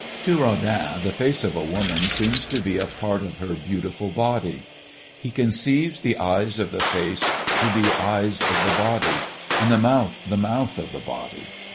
To Rodin the face of a woman seems to be a part of her beautiful body. He conceives the eyes of the face to be eyes of the body, and the mouth the mouth of the body.